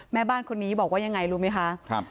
แม่บ้านคนนี้บอกว่ายังไงรู้ไหมคะ